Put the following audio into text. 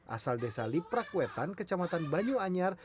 asal desa liprakwetan kecamatan banyuanyar